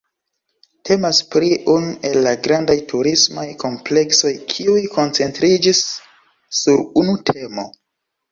Temas pri unu el la grandaj turismaj kompleksoj kiuj koncentriĝis sur unu temo.